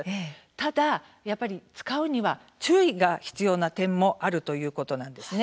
ただ使うには注意が必要な点もあるということなんです。